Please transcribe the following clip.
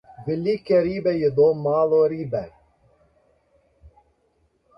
Velike ribe jedo malo ribe.